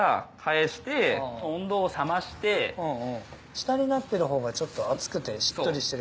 下になってるほうが熱くてしっとりしてる。